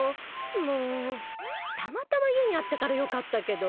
もう、たまたま家にあったからよかったけど。